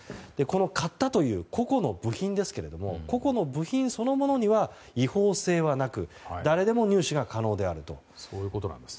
買ったという個々の部品ですけどもそれそのものには違法性はなく誰でも入手が可能であると。